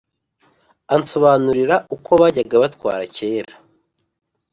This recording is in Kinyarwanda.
ansobanurira uko bajyaga batwara kera,